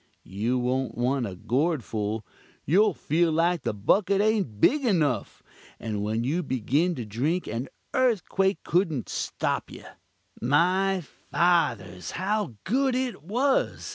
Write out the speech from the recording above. You won't want a gourd full you'll feel like the bucket ain't big enuf, and when you begin to drink an earthquake couldn't stop you. My fathers, how good it was!